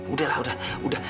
udah lah udah